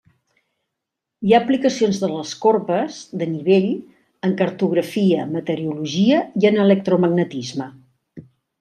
Hi ha aplicacions de les corbes de nivell en cartografia, meteorologia, i en electromagnetisme.